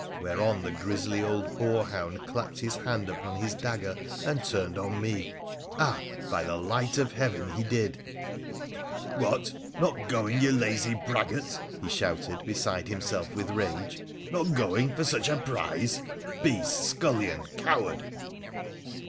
Whereon the grizzly old boar hound clapped his band upon his dagger and turned on me— ah ! by the light of heaven, he did. 174 WONDERFUL ADVENTURES OF ' What ! not going, you lazy braggart !' he shouted, beside himself with rage —' not going, for such a prize ? Beast — scullion — coward